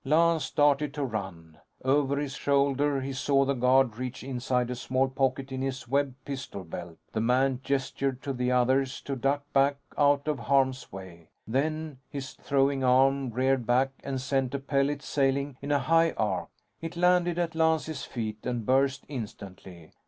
Lance started to run. Over his shoulder, he saw the guard reach inside a small pocket in his webbed pistol belt. The man gestured to the others to duck back out of harm's way. Then, his throwing arm reared back and sent a pellet sailing in a high arc. It landed at Lance's feet and burst instantly.